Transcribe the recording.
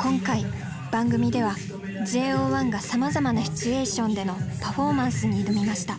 今回番組ではＪＯ１がさまざまなシチュエーションでのパフォーマンスに挑みました。